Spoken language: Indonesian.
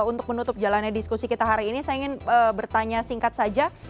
untuk menutup jalannya diskusi kita hari ini saya ingin bertanya singkat saja